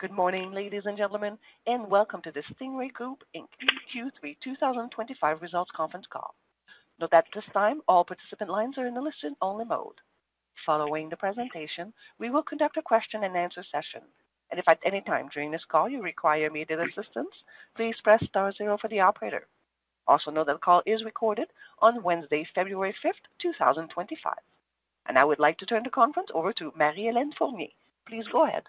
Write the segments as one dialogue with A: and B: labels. A: Good morning, ladies and gentlemen, and welcome to the Stingray Group Inc. Q3 2025 Results Conference Call. Note that at this time, all participant lines are in the listen-only mode. Following the presentation, we will conduct a question-and-answer session, and if at any time during this call you require immediate assistance, please press star zero for the operator. Also note that the call is recorded on Wednesday, February 5th, 2025. And I would like to turn the conference over to Marie-Hélène Fournier. Please go ahead.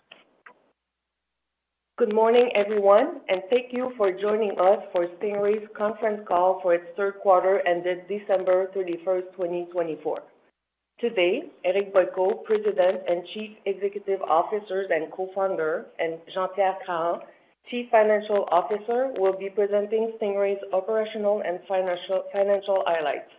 B: Good morning, everyone, and thank you for joining us for Stingray's conference call for its third quarter ended December 31st, 2024. Today, Eric Boyko, President and Chief Executive Officer and Co-founder, and Jean-Pierre Trahan, Chief Financial Officer, will be presenting Stingray's operational and financial highlights.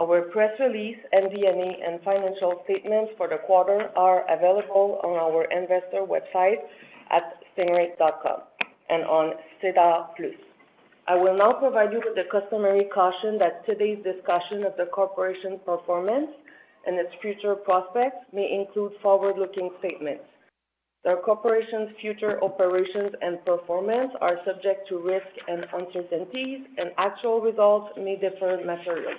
B: Our press release reporting Stingray's third quarter results for fiscal 2025 was issued yesterday after the market closed. Our press release, MD&A, and financial statements for the quarter are available on our investor website at stingray.com and on SEDAR+. I will now provide you with a customary caution that today's discussion of the corporation's performance and its future prospects may include forward-looking statements. The corporation's future operations and performance are subject to risk and uncertainties, and actual results may differ materially.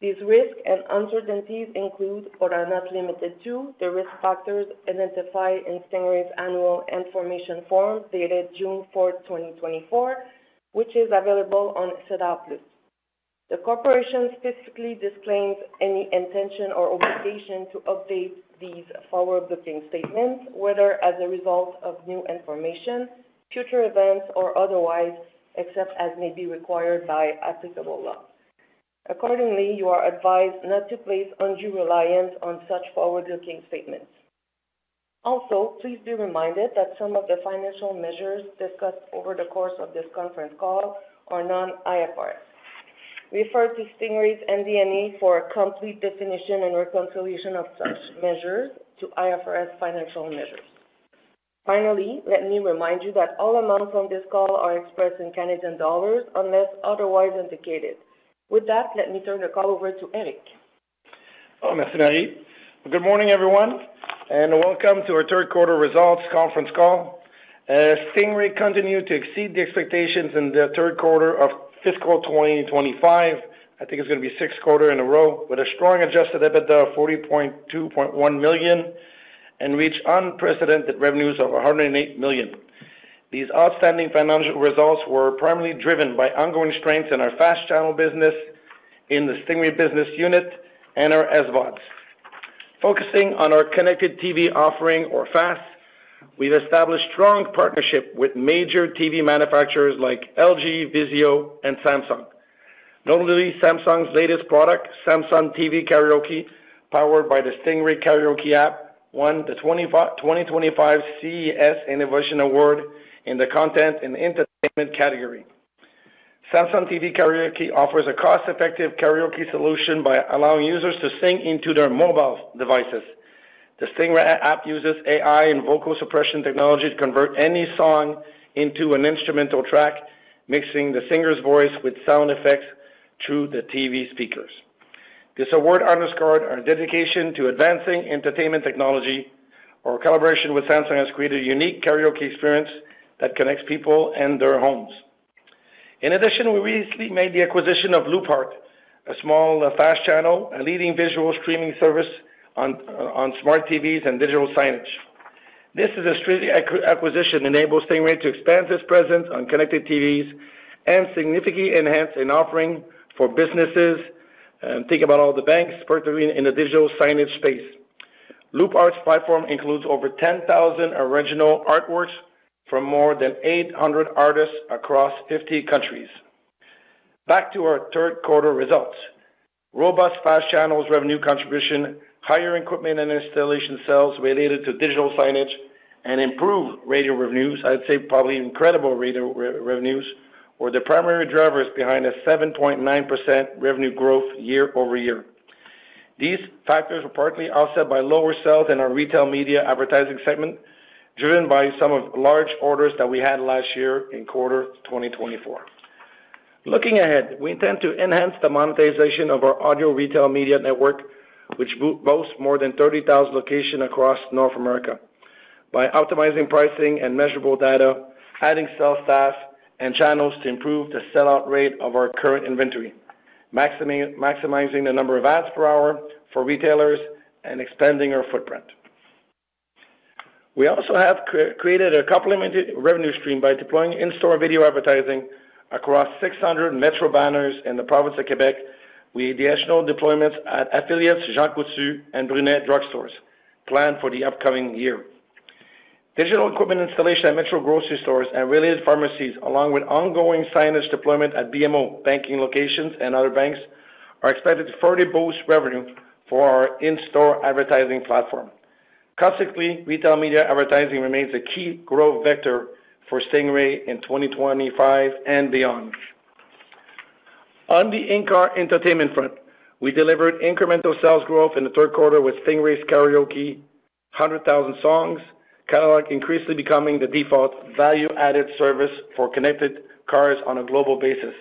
B: These risks and uncertainties include or are not limited to the risk factors identified in Stingray's annual information form dated June 4th, 2024, which is available on SEDAR+. The corporation specifically disclaims any intention or obligation to update these forward-looking statements, whether as a result of new information, future events, or otherwise, except as may be required by applicable law. Accordingly, you are advised not to place undue reliance on such forward-looking statements. Also, please be reminded that some of the financial measures discussed over the course of this conference call are non-IFRS. Refer to Stingray's MD&A for a complete definition and reconciliation of such measures to IFRS financial measures. Finally, let me remind you that all amounts on this call are expressed in Canadian dollars unless otherwise indicated. With that, let me turn the call over to Eric.
C: Merci, Marie. Good morning, everyone, and welcome to our third quarter results conference call. Stingray continued to exceed the expectations in the third quarter of fiscal 2025. I think it's going to be the sixth quarter in a row with a strong adjusted EBITDA of 40.21 million and reached unprecedented revenues of 108 million. These outstanding financial results were primarily driven by ongoing strengths in our FAST channel business in the Stingray business unit and our SVODs. Focusing on our connected TV offering, or FAST, we've established strong partnerships with major TV manufacturers like LG, Vizio, and Samsung. Notably, Samsung's latest product, Samsung TV Karaoke, powered by the Stingray Karaoke app, won the 2025 CES Innovation Award in the content and entertainment category. Samsung TV Karaoke offers a cost-effective karaoke solution by allowing users to sing into their mobile devices. The Stingray app uses AI and vocal suppression technology to convert any song into an instrumental track, mixing the singer's voice with sound effects through the TV speakers. This award honors our dedication to advancing entertainment technology. Our collaboration with Samsung has created a unique karaoke experience that connects people and their homes. In addition, we recently made the acquisition of Loupe, a small FAST channel, a leading visual streaming service on smart TVs and digital signage. This is a strategic acquisition that enables Stingray to expand its presence on connected TVs and significantly enhance our offering for businesses, think about all the banks, performing in the digital signage space. Loupe's platform includes over 10,000 original artworks from more than 800 artists across 50 countries. Back to our third quarter results: robust FAST channels revenue contribution, higher equipment and installation sales related to digital signage, and improved radio revenues. I'd say probably incredible radio revenues were the primary drivers behind a 7.9% revenue growth year over year. These factors were partly offset by lower sales in our retail media advertising segment, driven by some of the large orders that we had last year in quarter 2024. Looking ahead, we intend to enhance the monetization of our audio retail media network, which boasts more than 30,000 locations across North America, by optimizing pricing and measurable data, adding sales staff and channels to improve the sellout rate of our current inventory, maximizing the number of ads per hour for retailers and expanding our footprint. We also have created a complementary revenue stream by deploying in-store video advertising across 600 Metro banners in the province of Quebec. We have additional deployments at affiliates Jean Coutu and Brunet drug stores planned for the upcoming year. Digital equipment installation at Metro grocery stores and related pharmacies, along with ongoing signage deployment at BMO banking locations and other banks, are expected to further boost revenue for our in-store advertising platform. Consequently, retail media advertising remains a key growth vector for Stingray in 2025 and beyond. On the in-car entertainment front, we delivered incremental sales growth in the third quarter with Stingray's Karaoke 100,000-songs catalog increasingly becoming the default value-added service for connected cars on a global basis.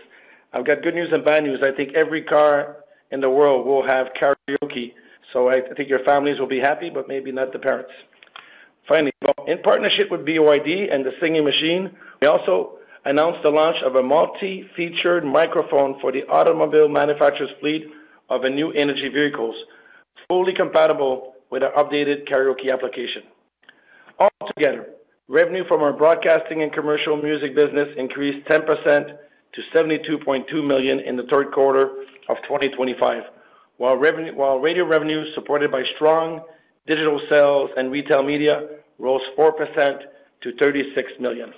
C: I've got good news and bad news. I think every car in the world will have karaoke, so I think your families will be happy, but maybe not the parents. Finally, in partnership with BYD and the Singing Machine, we also announced the launch of a multi-featured microphone for the automobile manufacturer's fleet of new energy vehicles, fully compatible with our updated karaoke application. Altogether, revenue from our broadcasting and commercial music business increased 10% to 72.2 million in the third quarter of 2025, while radio revenue, supported by strong digital sales and retail media, rose 4% to 36 million.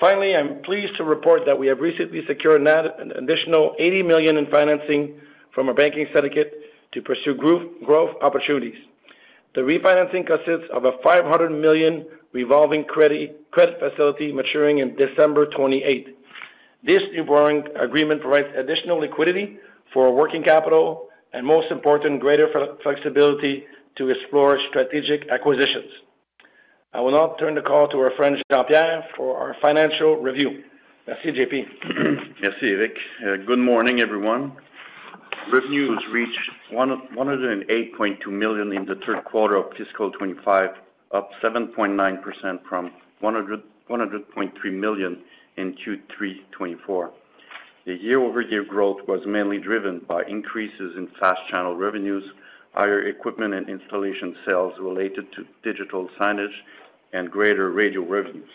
C: Finally, I'm pleased to report that we have recently secured an additional 80 million in financing from our banking syndicate to pursue growth opportunities. The refinancing consists of a 500 million revolving credit facility maturing on December 28th. This new borrowing agreement provides additional liquidity for working capital and, most important, greater flexibility to explore strategic acquisitions. I will now turn the call to our friend Jean-Pierre for our financial review. Merci, JP.
D: Merci, Eric. Good morning, everyone. Revenues reached 108.2 million in the third quarter of fiscal 2025, up 7.9% from 100.3 million in Q3 2024. The year-over-year growth was mainly driven by increases in FAST channel revenues, higher equipment and installation sales related to digital signage, and greater radio revenues.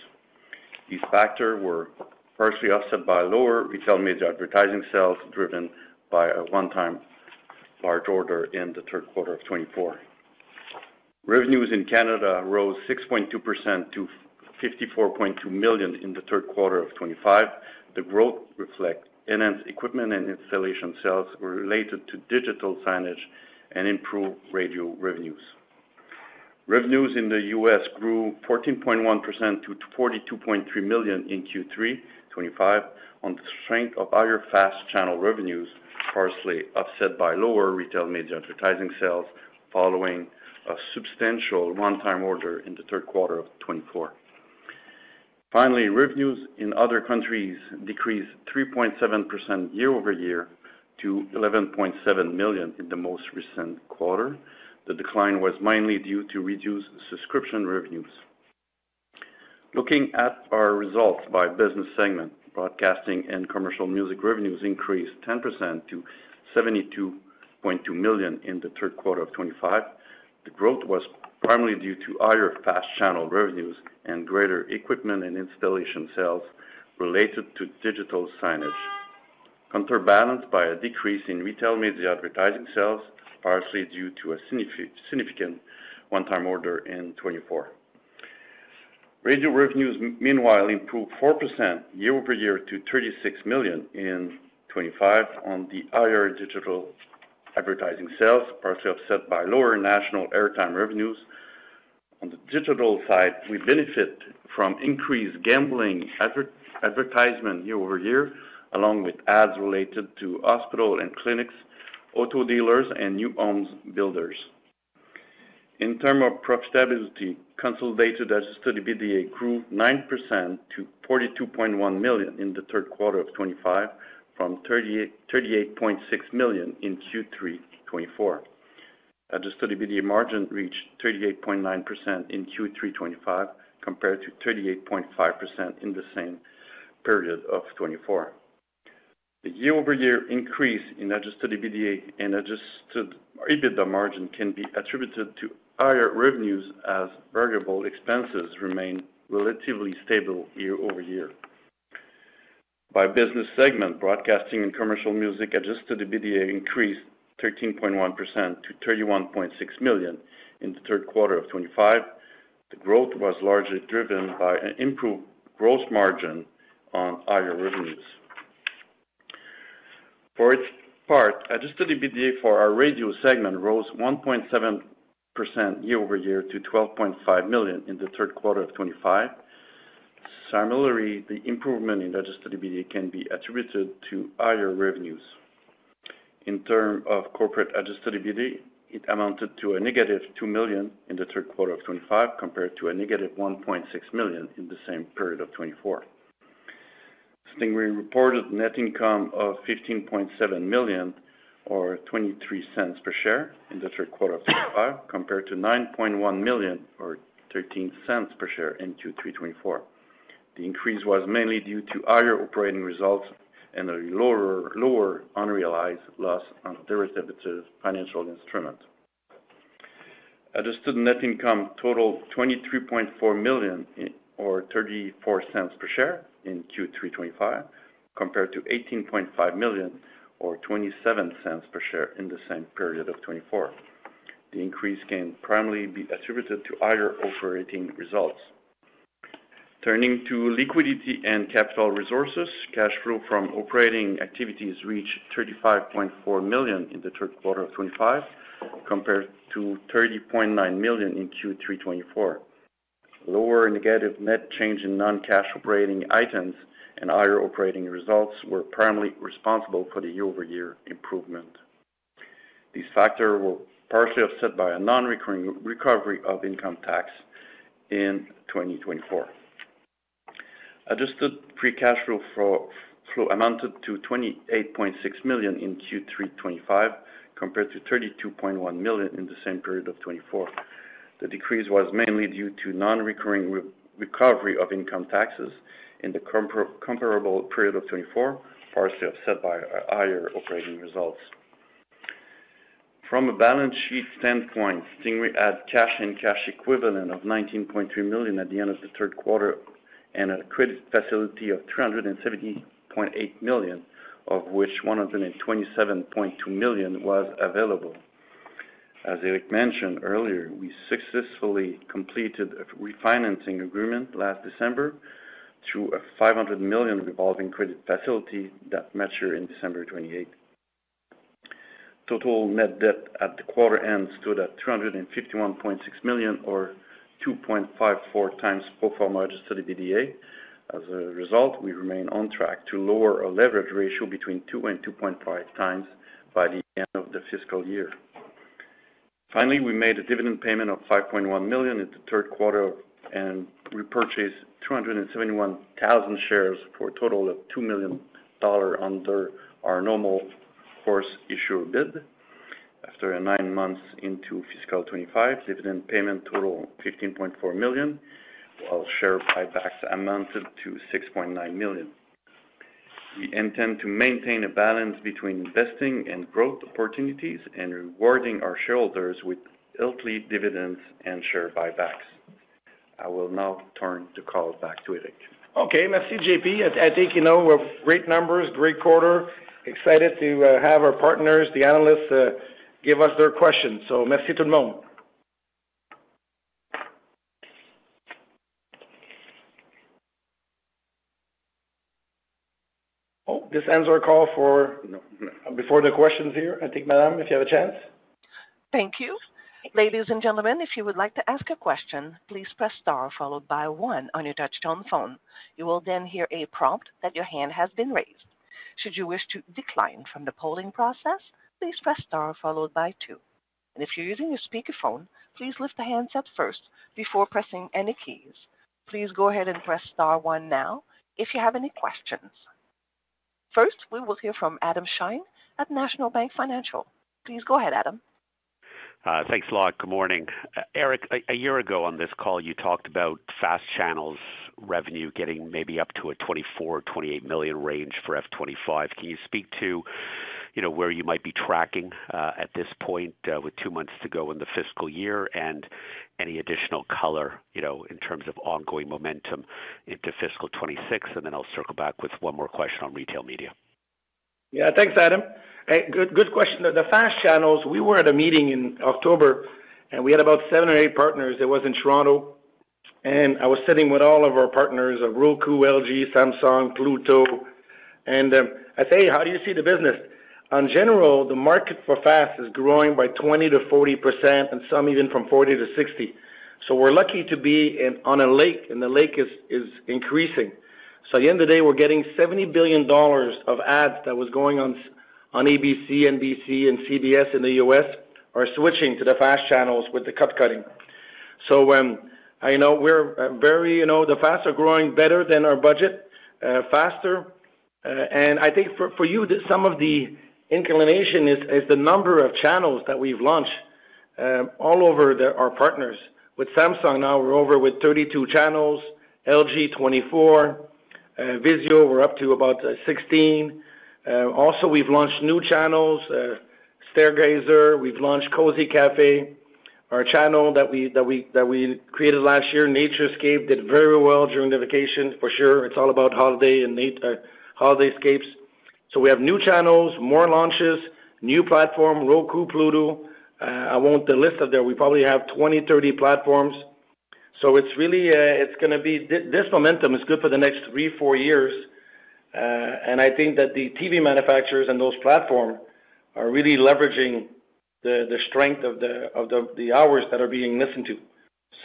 D: These factors were partially offset by lower retail media advertising sales driven by a one-time large order in the third quarter of 2024. Revenues in Canada rose 6.2% to 54.2 million in the third quarter of 2025. The growth reflects enhanced equipment and installation sales related to digital signage and improved radio revenues. Revenues in the U.S. grew 14.1% to 42.3 million in Q3 2025 on the strength of higher FAST channel revenues, partially offset by lower retail media advertising sales following a substantial one-time order in the third quarter of 2024. Finally, revenues in other countries decreased 3.7% year-over-year to 11.7 million in the most recent quarter. The decline was mainly due to reduced subscription revenues. Looking at our results by business segment, Broadcasting and Commercial Music revenues increased 10% to 72.2 million in the third quarter of 2025. The growth was primarily due to higher FAST channel revenues and greater equipment and installation sales related to digital signage. Counterbalanced by a decrease in retail media advertising sales, partially due to a significant one-time order in 2024. Radio revenues, meanwhile, improved 4% year-over-year to 36 million in 2025 on the higher digital advertising sales, partially offset by lower national airtime revenues. On the digital side, we benefit from increased gambling advertisement year-over-year, along with ads related to hospital and clinics, auto dealers, and new homes builders. In terms of profitability, consolidated Adjusted EBITDA grew 9% to 42.1 million in the third quarter of 2025, from 38.6 million in Q3 2024. Adjusted EBITDA margin reached 38.9% in Q3 2025 compared to 38.5% in the same period of 2024. The year-over-year increase in adjusted EBITDA margin can be attributed to higher revenues as variable expenses remain relatively stable year-over-year. By business segment, broadcasting and commercial music adjusted EBITDA increased 13.1% to 31.6 million in the third quarter of 2025. The growth was largely driven by an improved gross margin on higher revenues. For its part, adjusted EBITDA for our radio segment rose 1.7% year-over-year to 12.5 million in the third quarter of 2025. Similarly, the improvement in adjusted EBITDA can be attributed to higher revenues. In terms of corporate adjusted EBITDA, it amounted to a negative 2 million in the third quarter of 2025 compared to a negative 1.6 million in the same period of 2024. Stingray reported net income of 15.7 million, or 0.23 per share, in the third quarter of 2025 compared to 9.1 million, or 0.13 per share in Q3 2024. The increase was mainly due to higher operating results and a lower unrealized loss on derivative financial instruments. Adjusted net income totaled 23.4 million, or 0.34 per share in Q3 2025 compared to 18.5 million, or 0.27 per share in the same period of 2024. The increase can primarily be attributed to higher operating results. Turning to liquidity and capital resources, cash flow from operating activities reached 35.4 million in the third quarter of 2025 compared to 30.9 million in Q3 2024. Lower negative net change in non-cash operating items and higher operating results were primarily responsible for the year-over-year improvement. These factors were partially offset by a non-recurring recovery of income tax in 2024. Adjusted Free Cash Flow amounted to 28.6 million in Q3 2025 compared to 32.1 million in the same period of 2024. The decrease was mainly due to non-recurring recovery of income taxes in the comparable period of 2024, partially offset by higher operating results. From a balance sheet standpoint, Stingray had cash and cash equivalents of 19.3 million at the end of the third quarter and a credit facility of 370.8 million, of which 127.2 million was available. As Eric mentioned earlier, we successfully completed a refinancing agreement last December through a 500 million revolving credit facility that matured on December 28th. Total net debt at the quarter end stood at 251.6 million, or 2.54x pro forma adjusted EBITDA. As a result, we remain on track to lower our leverage ratio between 2 and 2.5x by the end of the fiscal year. Finally, we made a dividend payment of 5.1 million in the third quarter and repurchased 271,000 shares for a total of 2 million dollars under our normal course issuer bid. After nine months into fiscal 25, dividend payment totaled 15.4 million, while share buybacks amounted to 6.9 million. We intend to maintain a balance between investing in growth opportunities and rewarding our shareholders with healthy dividends and share buybacks. I will now turn the call back to Eric.
C: Okay, merci, JP. I think, you know, great numbers, great quarter. Excited to have our partners, the analysts, give us their questions. So, merci tout le monde. Oh, this ends our call for before the questions here. I think, Madame, if you have a chance.
A: Thank you. Ladies and gentlemen, if you would like to ask a question, please press star followed by one on your touch-tone phone. You will then hear a prompt that your hand has been raised. Should you wish to decline from the polling process, please press star followed by two. And if you're using your speakerphone, please lift the handset up first before pressing any keys. Please go ahead and press star one now if you have any questions. First, we will hear from Adam Shine at National Bank Financial. Please go ahead, Adam.
E: Thanks a lot. Good morning. Eric, a year ago on this call, you talked about FAST channels revenue getting maybe up to a 24-28 million range for F2025. Can you speak to, you know, where you might be tracking at this point with two months to go in the fiscal year and any additional color, you know, in terms of ongoing momentum into fiscal 2026? And then I'll circle back with one more question on retail media.
C: Yeah, thanks, Adam. Good question. The FAST channels, we were at a meeting in October, and we had about seven or eight partners. It was in Toronto. And I was sitting with all of our partners: Roku, LG, Samsung, Pluto. And I say, how do you see the business? In general, the market for FAST is growing by 20-40%, and some even from 40-60%. So we're lucky to be on a lake, and the lake is increasing. So at the end of the day, we're getting $70 billion of ads that was going on on ABC, NBC, and CBS in the U.S. are switching to the FAST channels with the cord cutting. So I know we're very, you know, the FAST are growing better than our budget, faster. I think for you, some of the inclination is the number of channels that we've launched all over our partners. With Samsung, now we're over with 32 channels. LG, 24. Vizio, we're up to about 16. Also, we've launched new channels, Stargazer. We've launched Cozy Café, our channel that we created last year. NatureScape did very well during the vacation, for sure. It's all about holiday and Holidayscapes. So we have new channels, more launches, new platform, Roku, Pluto. I won't list them. We probably have 20, 30 platforms. So it's really, it's going to be, this momentum is good for the next three, four years. And I think that the TV manufacturers and those platforms are really leveraging the strength of the hours that are being listened to.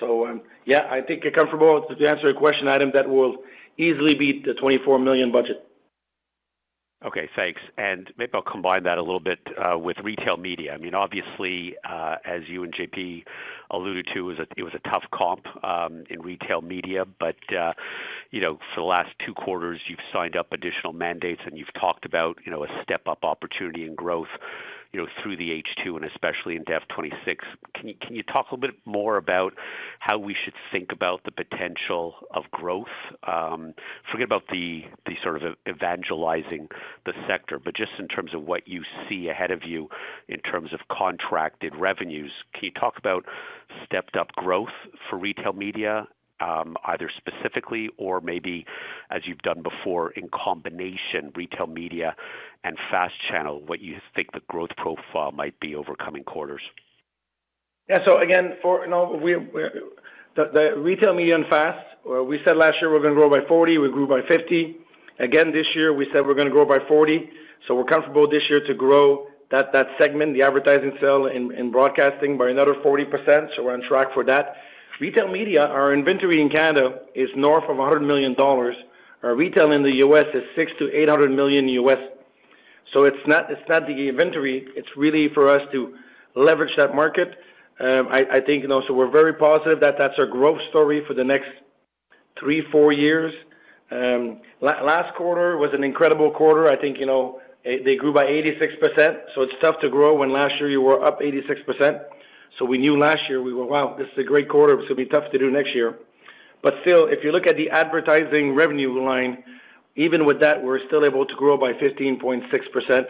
C: So yeah, I think you're comfortable to answer your question, Adam, that will easily beat the 24 million budget.
E: Okay, thanks. And maybe I'll combine that a little bit with retail media. I mean, obviously, as you and JP alluded to, it was a tough comp in retail media. But, you know, for the last two quarters, you've signed up additional mandates, and you've talked about, you know, a step-up opportunity in growth, you know, through the H2 and especially in FY26. Can you talk a little bit more about how we should think about the potential of growth? Forget about the sort of evangelizing the sector, but just in terms of what you see ahead of you in terms of contracted revenues, can you talk about stepped-up growth for retail media, either specifically or maybe, as you've done before, in combination, retail media and FAST channel, what you think the growth profile might be over coming quarters?
C: Yeah, so again, you know, the retail media and FAST, we said last year we're going to grow by 40%. We grew by 50%. Again, this year we said we're going to grow by 40%. So we're comfortable this year to grow that segment, the advertising sale and broadcasting by another 40%. So we're on track for that. Retail media, our inventory in Canada is north of 100 million dollars. Our retail in the US is $600-800 million. So it's not the inventory. It's really for us to leverage that market. I think, you know, so we're very positive that that's our growth story for the next three, four years. Last quarter was an incredible quarter. I think, you know, they grew by 86%. So it's tough to grow when last year you were up 86%. So we knew last year we were, wow, this is a great quarter. It's going to be tough to do next year. But still, if you look at the advertising revenue line, even with that, we're still able to grow by 15.6%.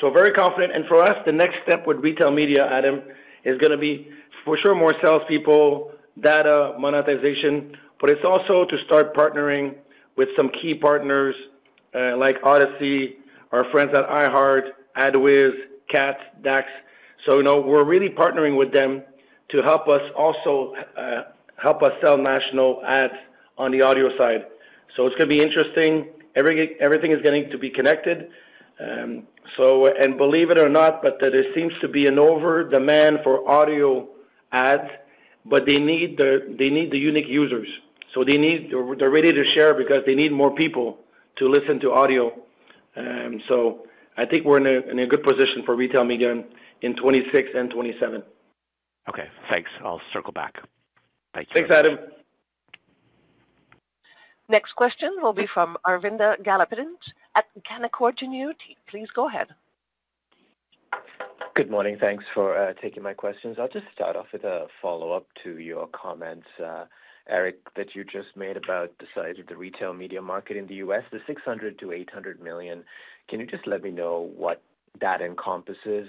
C: So very confident. And for us, the next step with retail media, Adam, is going to be for sure more salespeople, data, monetization, but it's also to start partnering with some key partners like Audacy, our friends at iHeart, AdsWizz, Katz, DAX. So, you know, we're really partnering with them to help us also help us sell national ads on the audio side. So it's going to be interesting. Everything is going to be connected. So, and believe it or not, but there seems to be an over-demand for audio ads, but they need the unique users. So they need, they're ready to share because they need more people to listen to audio. So I think we're in a good position for retail media in 2026 and 2027.
E: Okay, thanks. I'll circle back. Thanks.
C: Thanks, Adam.
A: Next question will be from Aravinda Galappatthige at Canaccord Genuity. Please go ahead. Good morning.
F: Thanks for taking my questions. I'll just start off with a follow-up to your comments, Eric, that you just made about the size of the retail media market in the U.S., the $600-$800 million. Can you just let me know what that encompasses?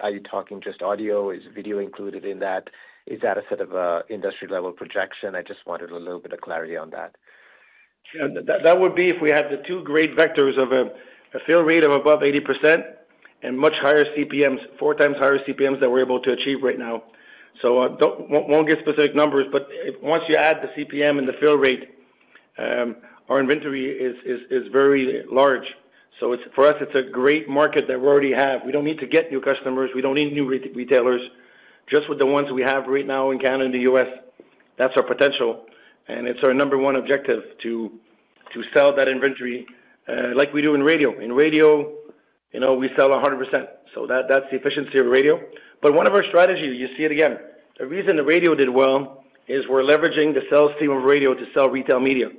F: Are you talking just audio? Is video included in that? Is that a set of an industry-level projection? I just wanted a little bit of clarity on that.
C: That would be if we had the two great vectors of a fill rate of above 80% and much higher CPMs, four times higher CPMs that we're able to achieve right now. So I won't get specific numbers, but once you add the CPM and the fill rate, our inventory is very large. So for us, it's a great market that we already have. We don't need to get new customers. We don't need new retailers. Just with the ones we have right now in Canada and the U.S., that's our potential. And it's our number one objective to sell that inventory like we do in radio. In radio, you know, we sell 100%. So that's the efficiency of radio. But one of our strategies, you see it again, the reason the radio did well is we're leveraging the sales team of radio to sell retail media.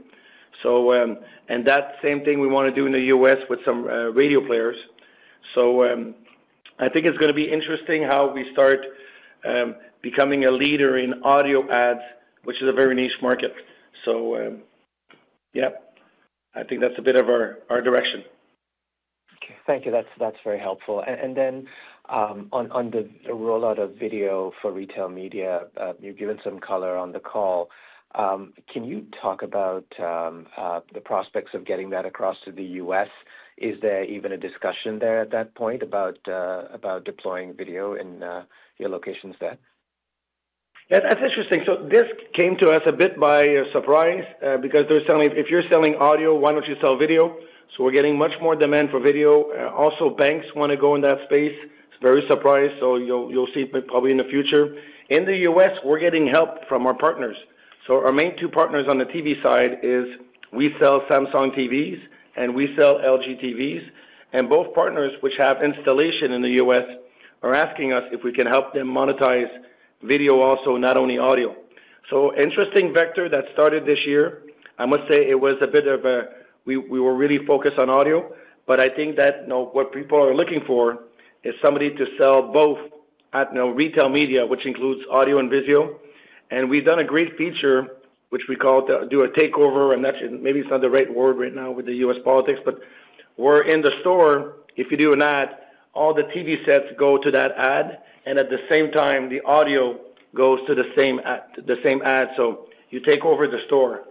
C: So, and that same thing we want to do in the U.S. with some radio players. So I think it's going to be interesting how we start becoming a leader in audio ads, which is a very niche market. So yeah, I think that's a bit of our direction.
F: Okay, thank you. That's very helpful. And then on the rollout of video for retail media, you've given some color on the call. Can you talk about the prospects of getting that across to the U.S.? Is there even a discussion there at that point about deploying video in your locations there? That's interesting. So this came to us a bit by surprise because they're selling, if you're selling audio, why don't you sell video? So we're getting much more demand for video. Also, banks want to go in that space. It's very surprised. So you'll see it probably in the future. In the U.S., we're getting help from our partners. So our main two partners on the TV side is we sell Samsung TVs and we sell LG TVs. And both partners, which have installation in the U.S., are asking us if we can help them monetize video also, not only audio. So interesting vector that started this year. I must say it was a bit of a, we were really focused on audio, but I think that, you know, what people are looking for is somebody to sell both at, you know, retail media, which includes audio and video. And we've done a great feature, which we call to do a takeover, and that's maybe it's not the right word right now with the U.S. politics, but we're in the store. If you do an ad, all the TV sets go to that ad, and at the same time, the audio goes to the same ad. So you take over the store.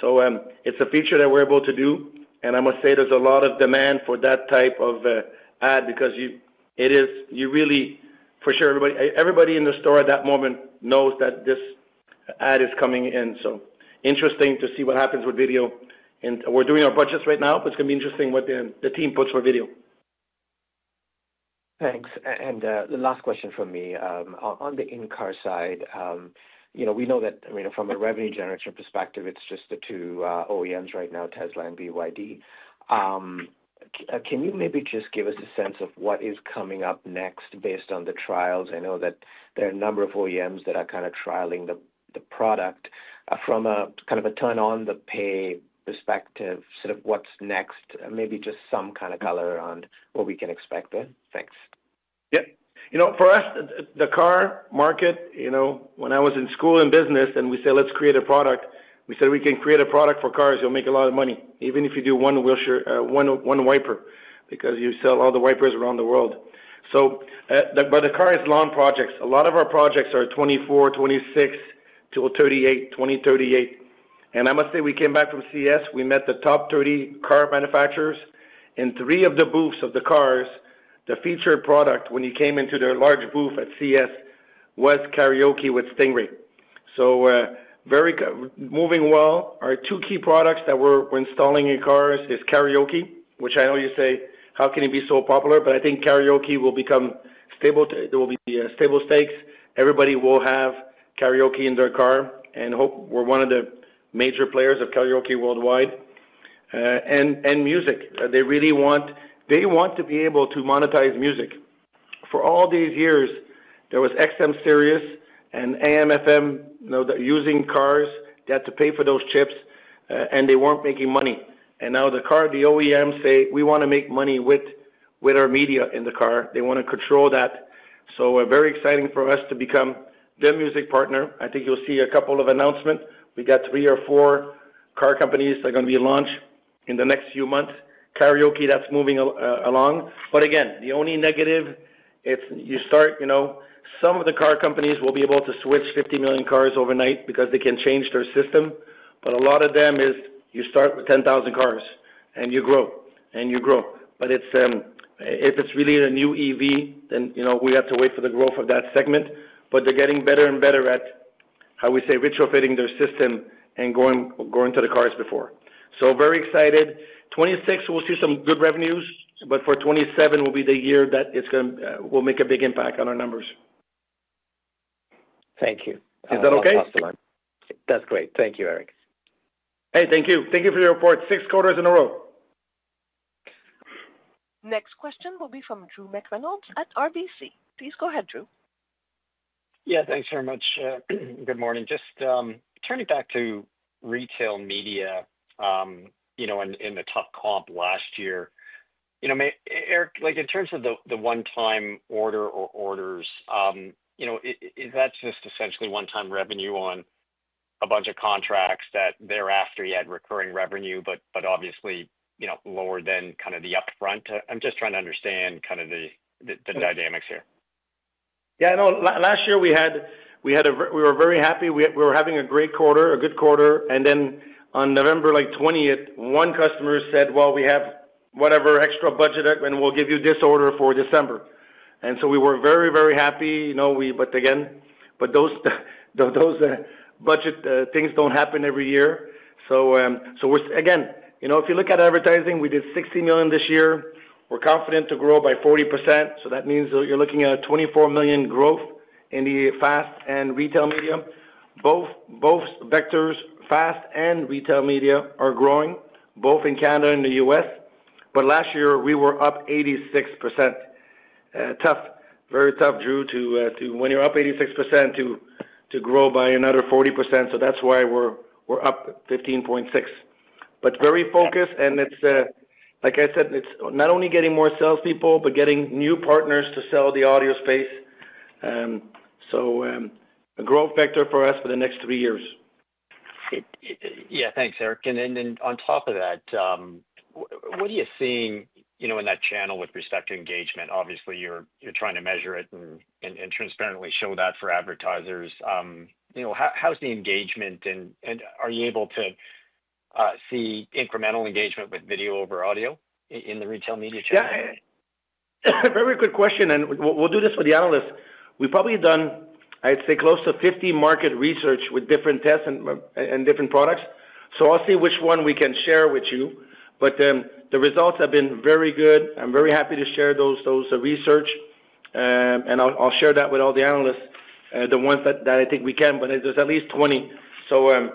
F: So it's a feature that we're able to do. And I must say there's a lot of demand for that type of ad because it is, you really, for sure, everybody in the store at that moment knows that this ad is coming in. So interesting to see what happens with video. And we're doing our budgets right now, but it's going to be interesting what the team puts for video. Thanks. And the last question for me, on the in-car side, you know, we know that, I mean, from a revenue generation perspective, it's just the two OEMs right now, Tesla and BYD. Can you maybe just give us a sense of what is coming up next based on the trials? I know that there are a number of OEMs that are kind of trialing the product from a kind of a turnkey perspective. Sort of what's next? Maybe just some kind of color on what we can expect there. Thanks.
C: Yeah. You know, for us, the car market, you know, when I was in business school and we said, let's create a product, we said we can create a product for cars. You'll make a lot of money, even if you do one wiper, because you sell all the wipers around the world. So BYD cars, long projects, a lot of our projects are 2024, 2026-2038, 2020-2038. I must say we came back from CES. We met the top 30 car manufacturers in three of the booths of the cars. The featured product when you came into their large booth at CES was karaoke with Stingray. So very moving well. Our two key products that we're installing in cars is karaoke, which I know you say, how can it be so popular? But I think karaoke will become stable. There will be stable stakes. Everybody will have karaoke in their car and hope we're one of the major players of karaoke worldwide. And music, they really want, they want to be able to monetize music. For all these years, there was XM Sirius and AM FM, you know, using cars that to pay for those chips, and they weren't making money. And now the car, the OEMs say, we want to make money with our media in the car. They want to control that. So very exciting for us to become their music partner. I think you'll see a couple of announcements. We got three or four car companies that are going to be launched in the next few months. Karaoke, that's moving along. But again, the only negative is you start, you know, some of the car companies will be able to switch 50 million cars overnight because they can change their system. But a lot of them is you start with 10,000 cars and you grow and you grow. But if it's really a new EV, then you know we have to wait for the growth of that segment. But they're getting better and better at, how we say, retrofitting their system and going to the cars before. So very excited. 2026, we'll see some good revenues, but for 2027 will be the year that it's going to make a big impact on our numbers.
F: Thank you.
C: Is that okay?
F: That's great. Thank you, Eric.
C: Hey, thank you. Thank you for your report. Six quarters in a row.
A: Next question will be from Drew McReynolds at RBC. Please go ahead, Drew.
G: Yeah, thanks very much. Good morning. Just turning back to retail media, you know, in the tough comp last year. You know, Eric, like in terms of the one-time order or orders, you know, is that just essentially one-time revenue on a bunch of contracts that thereafter you had recurring revenue, but obviously, you know, lower than kind of the upfront? I'm just trying to understand kind of the dynamics here.
C: Yeah, no, last year we had, we were very happy. We were having a great quarter, a good quarter, and then on November 20th, one customer said, well, we have whatever extra budget and we'll give you this order for December, and so we were very, very happy, you know, but again, those budget things don't happen every year, so again, you know, if you look at advertising, we did 60 million this year. We're confident to grow by 40%, so that means that you're looking at a 24 million growth in the FAST and retail media. Both vectors, FAST and retail media, are growing, both in Canada and the U.S., but last year, we were up 86%. Tough, very tough, Drew, to when you're up 86% to grow by another 40%, so that's why we're up 15.6%. But very focused, and it's, like I said, it's not only getting more salespeople, but getting new partners to sell the audio space. So a growth vector for us for the next three years.
G: Yeah, thanks, Eric. And then on top of that, what are you seeing, you know, in that channel with respect to engagement? Obviously, you're trying to measure it and transparently show that for advertisers. You know, how's the engagement? And are you able to see incremental engagement with video over audio in the retail media channel?
C: Yeah, very good question. And we'll do this for the analysts. We've probably done, I'd say, close to 50 market research with different tests and different products. So I'll see which one we can share with you. But the results have been very good. I'm very happy to share those research. And I'll share that with all the analysts, the ones that I think we can, but there's at least 20. So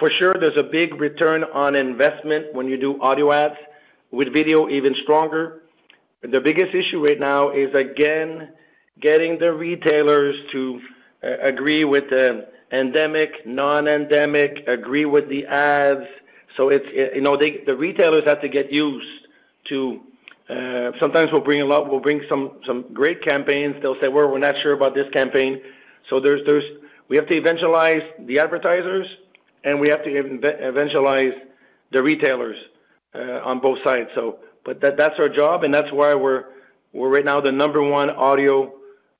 C: for sure, there's a big return on investment when you do audio ads with video, even stronger. The biggest issue right now is, again, getting the retailers to agree with the endemic, non-endemic, agree with the ads. So it's, you know, the retailers have to get used to sometimes we'll bring a lot, we'll bring some great campaigns. They'll say, we're not sure about this campaign. So we have to evangelize the advertisers, and we have to evangelize the retailers on both sides. So, but that's our job. And that's why we're right now the number one audio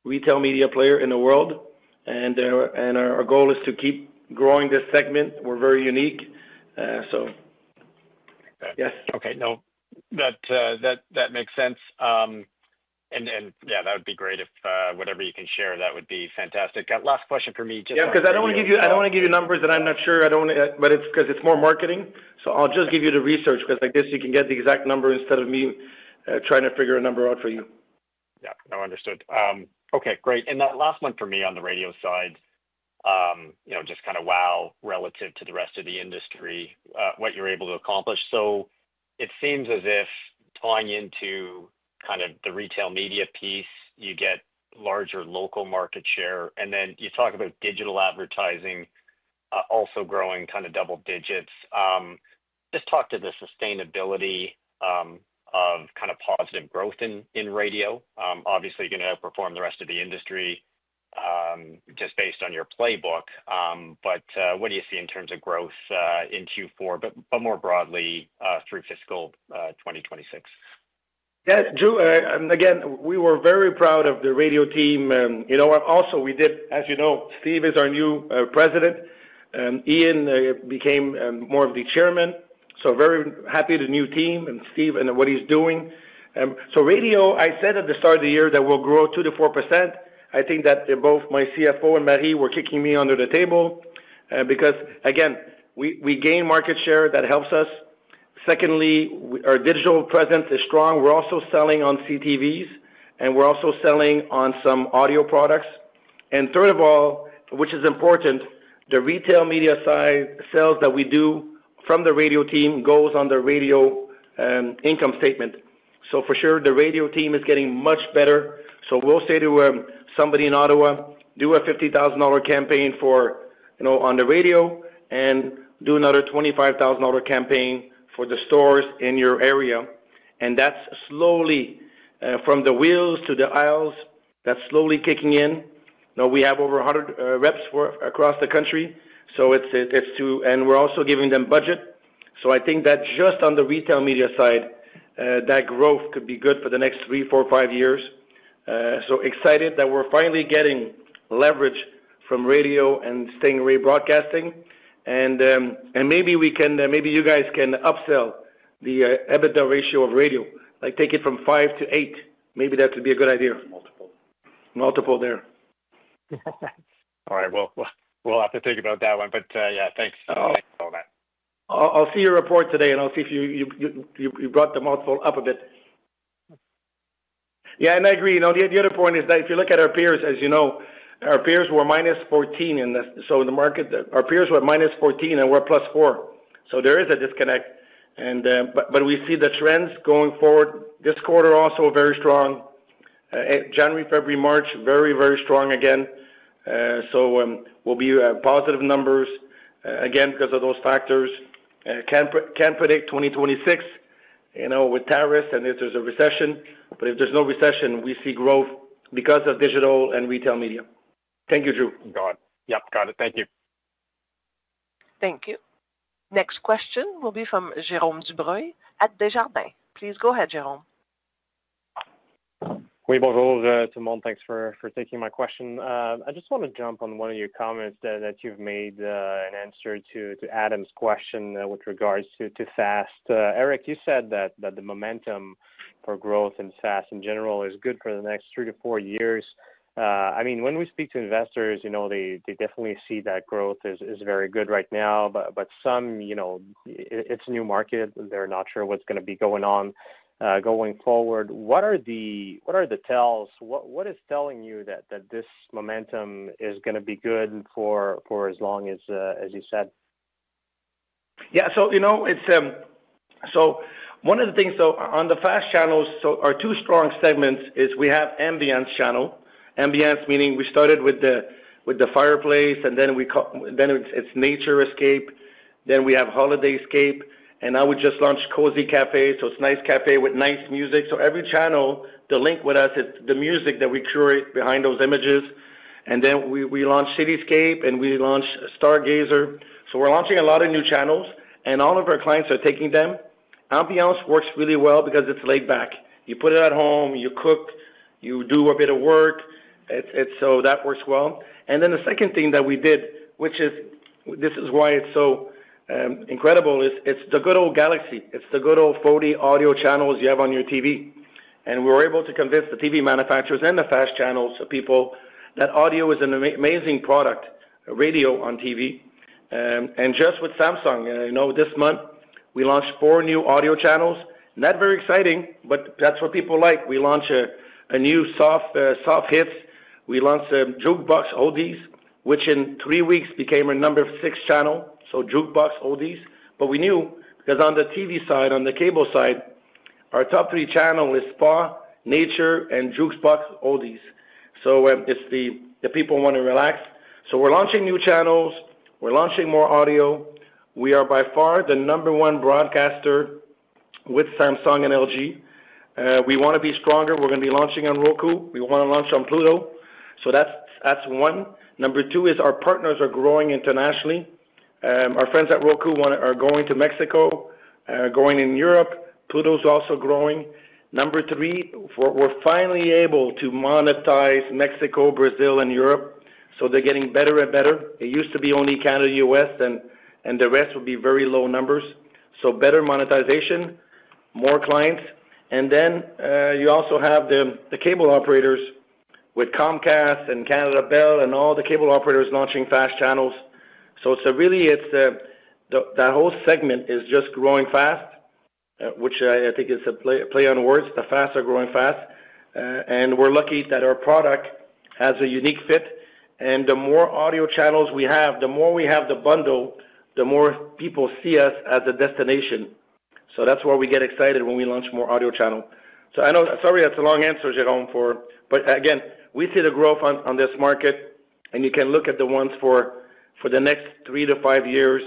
C: retail media player in the world. And our goal is to keep growing this segment. We're very unique. So, yes.
G: Okay, no, that makes sense. Yeah, that would be great if whatever you can share, that would be fantastic. Last question for me.
C: Yeah, because I don't want to give you numbers that I'm not sure. I don't want to, but it's because it's more marketing. So I'll just give you the research because I guess you can get the exact number instead of me trying to figure a number out for you.
G: Yeah, I understood. Okay, great. That last one for me on the radio side, you know, just kind of wow relative to the rest of the industry, what you're able to accomplish. So it seems as if tying into kind of the retail media piece, you get larger local market share. And then you talk about digital advertising also growing kind of double digits. Just talk to the sustainability of kind of positive growth in radio. Obviously, you're going to outperform the rest of the industry just based on your playbook. But what do you see in terms of growth in Q4, but more broadly through fiscal 2026?
C: Yeah, Drew, again, we were very proud of the radio team. You know, also we did, as you know, Steve is our new President. Ian became more of the Chairman. So very happy with the new team and Steve and what he's doing. So radio, I said at the start of the year that we'll grow 2-4%. I think that both my CFO and Marie were kicking me under the table because, again, we gain market share that helps us. Secondly, our digital presence is strong. We're also selling on CTVs, and we're also selling on some audio products. Third of all, which is important, the retail media sales that we do from the radio team goes on the radio income statement. So for sure, the radio team is getting much better. So we'll say to somebody in Ottawa, do a 50,000 dollar campaign for, you know, on the radio and do another 25,000 dollar campaign for the stores in your area. And that's slowly from the wheels to the aisles that's slowly kicking in. Now we have over 100 reps across the country. So it's to, and we're also giving them budget. So I think that just on the retail media side, that growth could be good for the next three, four, five years. So excited that we're finally getting leverage from radio and Stingray broadcasting. And maybe we can, maybe you guys can upsell the EBITDA ratio of radio, like take it from five to eight. Maybe that could be a good idea.
D: Multiple.
C: Multiple there.
G: All right, well, we'll have to think about that one. But yeah, thanks for all that.
C: I'll see your report today, and I'll see if you brought the multiple up a bit. Yeah, and I agree. You know, the other point is that if you look at our peers, as you know, our peers were -14 in this. So in the market, our peers were -14 and we're+4. So there is a disconnect. And but we see the trends going forward this quarter also very strong. January, February, March, very, very strong again. So we'll be positive numbers again because of those factors. Can't predict 2026, you know, with tariffs and if there's a recession. But if there's no recession, we see growth because of digital and retail media. Thank you, Drew.
G: Got it. Yep, got it. Thank you.
A: Thank you. Next question will be from Jérôme Dubreuil at Desjardins. Please go ahead, Jérôme.
H: Oui, bonjour tout le monde. Thanks for taking my question. I just want to jump on one of your comments that you've made an answer to Adam's question with regards to FAST. Eric, you said that the momentum for growth in FAST in general is good for the next three to four years. I mean, when we speak to investors, you know, they definitely see that growth is very good right now. But some, you know, it's a new market. They're not sure what's going to be going on going forward. What are the tells? What is telling you that this momentum is going to be good for as long as you said?
C: Yeah, so you know, it's so one of the things so on the FAST channels, so our two strong segments is we have Ambiance channel. Ambiance, meaning we started with the fireplace, and then it's NatureScape. Then we have Holiday Escapes. And now we just launched Cozy Café. So it's a nice cafe with nice music. So every channel, the link with us is the music that we curate behind those images. And then we launched Cityscapes and we launched Stargazer. So we're launching a lot of new channels. And all of our clients are taking them. Ambiance works really well because it's laid back. You put it at home, you cook, you do a bit of work. So that works well. And then the second thing that we did, which is this is why it's so incredible, is it's the good old Galaxie. It's the good old 40 audio channels you have on your TV, and we were able to convince the TV manufacturers and the FAST channels, so people, that audio is an amazing product, radio on TV. And just with Samsung, you know, this month, we launched four new audio channels. Not very exciting, but that's what people like. We launched a new Soft Hits. We launched Jukebox Oldies, which in three weeks became a number six channel. So Jukebox Oldies. But we knew because on the TV side, on the cable side, our top three channels are Spa, Nature, and Jukebox Oldies. So it's the people want to relax. So we're launching new channels. We're launching more audio. We are by far the number one broadcaster with Samsung and LG. We want to be stronger. We're going to be launching on Roku. We want to launch on Pluto. So that's one. Number two is our partners are growing internationally. Our friends at Roku are going to Mexico, are going in Europe. Pluto is also growing. Number three, we're finally able to monetize Mexico, Brazil, and Europe. So they're getting better and better. It used to be only Canada, U.S., and the rest would be very low numbers. So better monetization, more clients. And then you also have the cable operators with Comcast and Bell Canada and all the cable operators launching FAST channels. So it's really, it's that whole segment is just growing FAST, which I think is a play on words. The FAST are growing fast. And we're lucky that our product has a unique fit. And the more audio channels we have, the more we have the bundle, the more people see us as a destination. So that's why we get excited when we launch more audio channels. So I know, sorry, that's a long answer, Jérôme, but again, we see the growth on this market. And you can look at the ones for the next three to five years.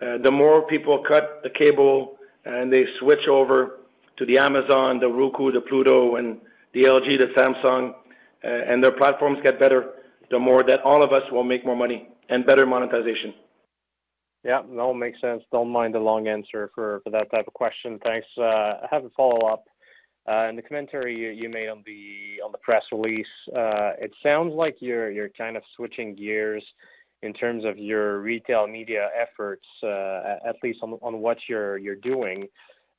C: The more people cut the cable and they switch over to the Amazon, the Roku, the Pluto, and the LG, the Samsung, and their platforms get better, the more that all of us will make more money and better monetization.
H: Yeah, that all makes sense. Don't mind the long answer for that type of question. Thanks. I have a follow-up. In the commentary you made on the press release, it sounds like you're kind of switching gears in terms of your retail media efforts, at least on what you're doing.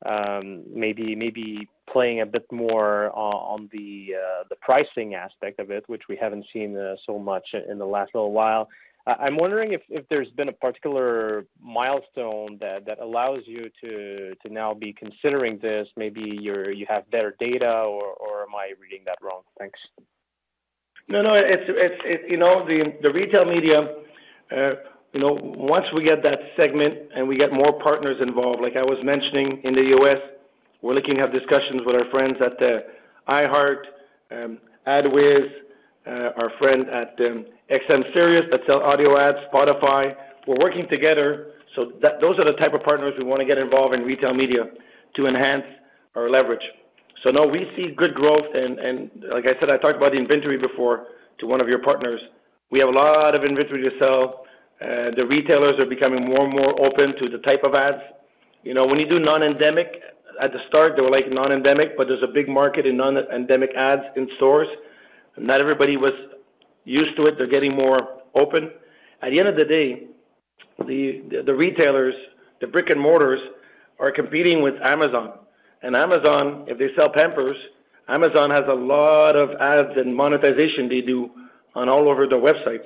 H: Maybe playing a bit more on the pricing aspect of it, which we haven't seen so much in the last little while. I'm wondering if there's been a particular milestone that allows you to now be considering this. Maybe you have better data, or am I reading that wrong? Thanks.
C: No, no, it's, you know, the retail media, you know, once we get that segment and we get more partners involved, like I was mentioning in the U.S., we're looking at discussions with our friends at iHeartMedia, AdsWizz, our friend at SiriusXM that sells audio ads, Spotify. We're working together. So those are the type of partners we want to get involved in retail media to enhance our leverage. So no, we see good growth. And like I said, I talked about the inventory before to one of your partners. We have a lot of inventory to sell. The retailers are becoming more and more open to the type of ads. You know, when you do non-endemic, at the start, they were like non-endemic, but there's a big market in non-endemic ads in stores. Not everybody was used to it. They're getting more open. At the end of the day, the retailers, the brick and mortars are competing with Amazon. And Amazon, if they sell Pampers, Amazon has a lot of ads and monetization they do on all over the websites.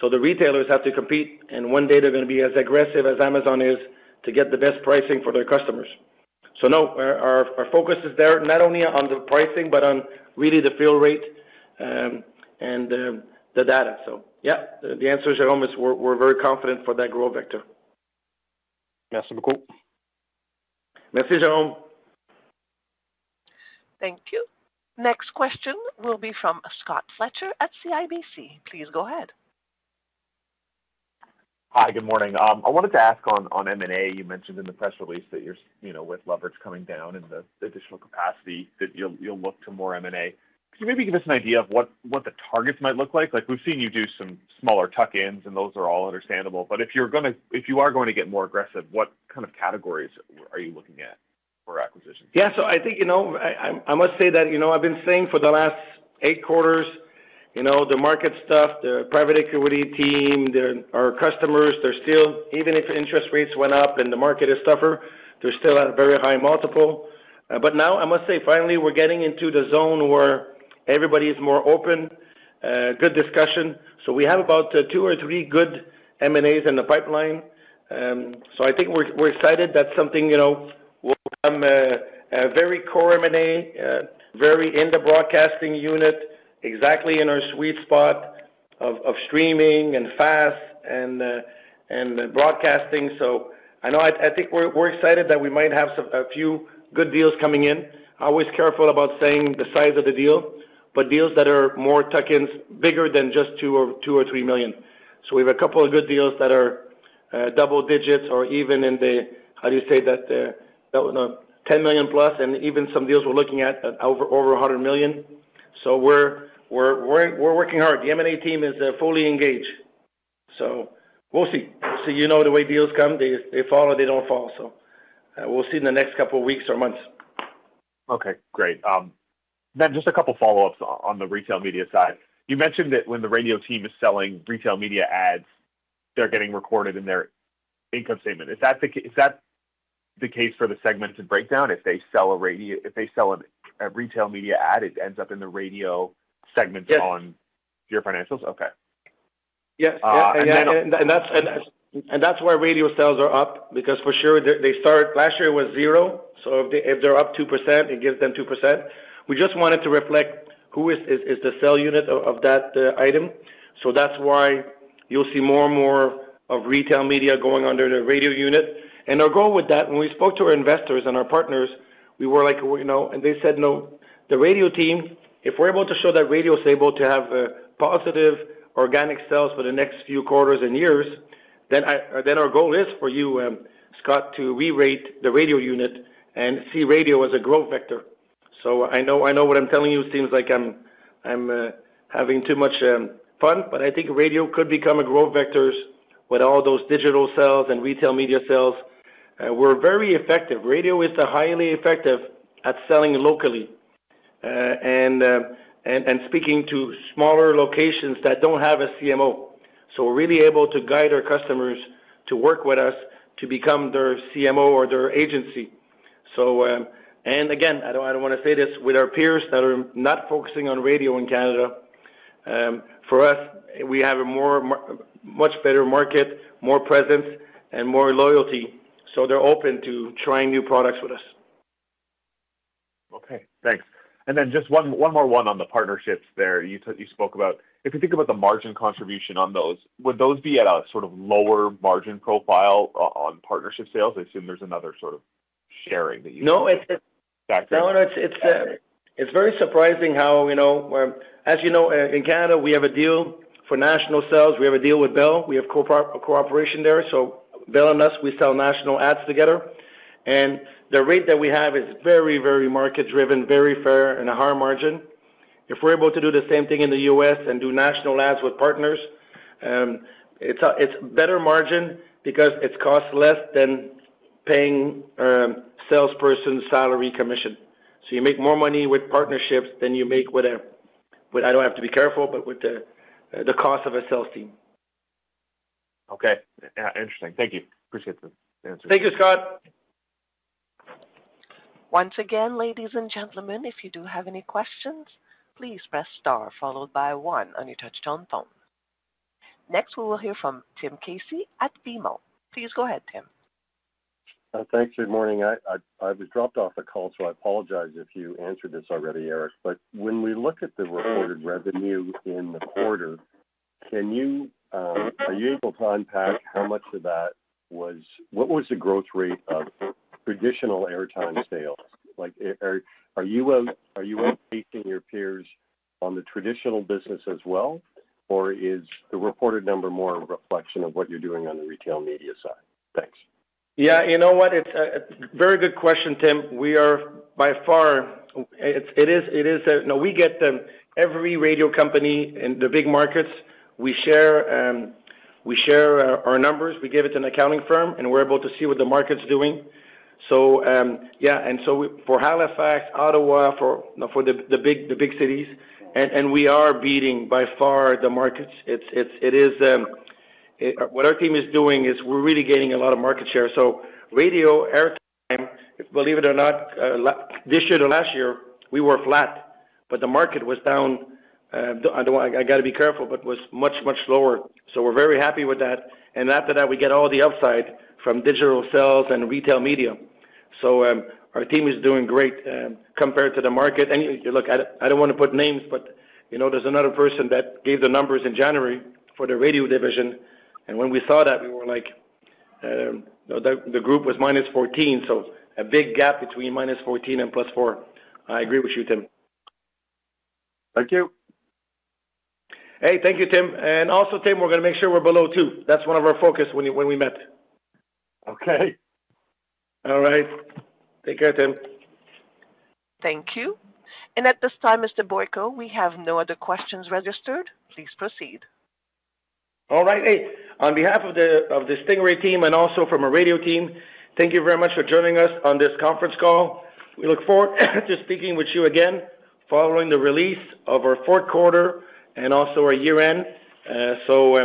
C: So the retailers have to compete. And one day they're going to be as aggressive as Amazon is to get the best pricing for their customers. So no, our focus is there not only on the pricing, but on really the fill rate and the data. So yeah, the answer, Jérôme, is we're very confident for that growth vector.
H: Merci beaucoup.
C: Merci, Jérôme.
A: Thank you. Next question will be from Scott Fletcher at CIBC. Please go ahead.
I: Hi, good morning. I wanted to ask on M&A, you mentioned in the press release that you're, you know, with leverage coming down and the additional capacity that you'll look to more M&A. Can you maybe give us an idea of what the targets might look like? Like we've seen you do some smaller tuck-ins, and those are all understandable. But if you're going to, if you are going to get more aggressive, what kind of categories are you looking at for acquisitions?
C: Yeah, so I think, you know, I must say that, you know, I've been saying for the last eight quarters, you know, the market stuff, the private equity team, our customers, they're still, even if interest rates went up and the market is tougher, they're still at a very high multiple. But now I must say, finally, we're getting into the zone where everybody is more open, good discussion. So we have about two or three good M&As in the pipeline. So I think we're excited. That's something, you know, we'll become a very core M&A, very in the broadcasting unit, exactly in our sweet spot of streaming and FAST and broadcasting. So I know I think we're excited that we might have a few good deals coming in. I was careful about saying the size of the deal, but deals that are more tuck-ins, bigger than just two or three million. So we have a couple of good deals that are double digits or even in the, how do you say that, 10+ million and even some deals we're looking at over 100 million. So we're working hard. The M&A team is fully engaged. So we'll see. So you know the way deals come, they fall or they don't fall. So we'll see in the next couple of weeks or months.
I: Okay, great. Then just a couple of follow-ups on the retail media side. You mentioned that when the radio team is selling retail media ads, they're getting recorded in their income statement. Is that the case for the segmented breakdown? If they sell a radio, if they sell a retail media ad, it ends up in the radio segment on your financials? Okay.
C: Yes. And that's why radio sales are up because for sure they start, last year it was zero. So if they're up 2%, it gives them 2%. We just wanted to reflect who is the sale unit of that item. So that's why you'll see more and more of retail media going under the radio unit. And our goal with that, when we spoke to our investors and our partners, we were like, you know, and they said, no, the radio team, if we're able to show that radio is able to have positive organic sales for the next few quarters and years, then our goal is for you, Scott, to re-rate the radio unit and see radio as a growth vector. So I know what I'm telling you seems like I'm having too much fun, but I think radio could become a growth vector with all those digital sales and retail media sales. We're very effective. Radio is highly effective at selling locally and speaking to smaller locations that don't have a CMO. So we're really able to guide our customers to work with us to become their CMO or their agency. So, and again, I don't want to say this with our peers that are not focusing on radio in Canada. For us, we have a much better market, more presence, and more loyalty. So they're open to trying new products with us.
I: Okay, thanks. And then just one more one on the partnerships there. You spoke about, if you think about the margin contribution on those, would those be at a sort of lower margin profile on partnership sales? I assume there's another sort of sharing that you're doing.
C: No, it's very surprising how, you know, as you know, in Canada, we have a deal for national sales. We have a deal with Bell. We have cooperation there. So Bell and us, we sell national ads together. And the rate that we have is very, very market-driven, very fair, and a higher margin. If we're able to do the same thing in the U.S. and do national ads with partners, it's a better margin because it costs less than paying a salesperson's salary commission. So you make more money with partnerships than you make with, I don't have to be careful, but with the cost of a sales team.
I: Okay. Yeah, interesting. Thank you. Appreciate the answer.
C: Thank you, Scott.
A: Once again, ladies and gentlemen, if you do have any questions, please press star followed by one on your touch-tone phone. Next, we will hear from Tim Casey at BMO. Please go ahead, Tim.
J: Thanks. Good morning. I was dropped off the call, so I apologize if you answered this already, Eric. But when we look at the reported revenue in the quarter, can you, are you able to unpack how much of that was, what was the growth rate of traditional airtime sales? Like, are you outpacing your peers on the traditional business as well, or is the reported number more a reflection of what you're doing on the retail media side? Thanks.
C: Yeah, you know what? It's a very good question, Tim. We are by far, you know, we beat every radio company in the big markets. We share our numbers. We give it to an accounting firm, and we're able to see what the market's doing. So yeah, and so for Halifax, Ottawa, for the big cities, and we are beating by far the markets. What our team is doing is we're really gaining a lot of market share. So, radio airtime, believe it or not, this year to last year, we were flat, but the market was down. I got to be careful, but was much, much lower. So, we're very happy with that. And after that, we get all the upside from digital sales and retail media. So, our team is doing great compared to the market. And you look at it, I don't want to put names, but you know, there's another person that gave the numbers in January for the radio division. And when we saw that, we were like, the group was -14, so a big gap between -14 and+4. I agree with you, Tim.
J: Thank you.
C: Hey, thank you, Tim. And also, Tim, we're going to make sure we're below 2. That's one of our focuses when we met.
J: Okay.
C: All right. Take care, Tim. Thank you.
A: And at this time, Mr. Boyko, we have no other questions registered. Please proceed.
C: All right. Hey, on behalf of the Stingray team and also from our radio team, thank you very much for joining us on this conference call. We look forward to speaking with you again following the release of our fourth quarter and also our year-end. So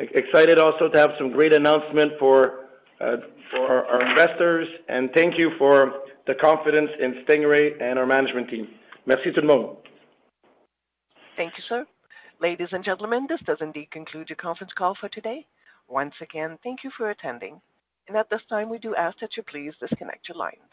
C: excited also to have some great announcements for our investors. And thank you for the confidence in Stingray and our management team. Merci tout le monde.
A: Thank you, sir. Ladies and gentlemen, this does indeed conclude your conference call for today. Once again, thank you for attending. And at this time, we do ask that you please disconnect your lines.